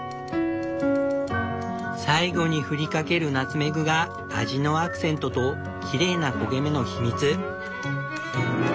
最後に振りかけるナツメグが味のアクセントときれいな焦げ目の秘密。